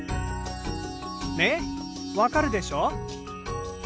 ねっわかるでしょ。